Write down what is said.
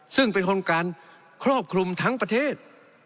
ซึ่งเป็นโครงการครอบคลุมทั้งประเทศ